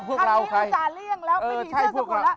ครั้งนี้อยู่จ่าเลี่ยงแล้วไม่มีผีเสื้อสมุทรแล้ว